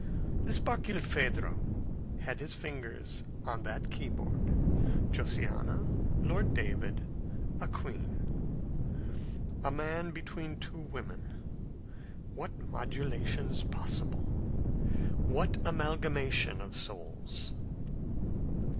This Barkilphedro had his fingers on that keyboard Josiana, Lord David, a queen. A man between two women. What modulations possible! What amalgamation of souls!